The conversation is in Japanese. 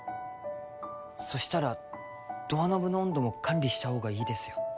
そしたらドアノブの温度も管理したほうがいいですよ